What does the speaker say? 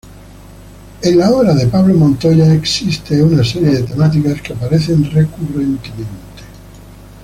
En la obra de Pablo Montoya existe una serie de temáticas que aparecen recurrentemente.